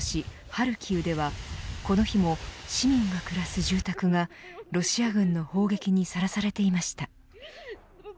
ハルキウではこの日も市民が暮らす住宅がロシア軍の砲撃にさらされていました。